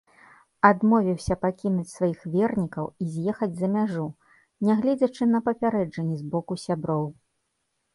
Адмовіўся пакінуць сваіх вернікаў і з'ехаць за мяжу, нягледзячы на папярэджанні са боку сяброў.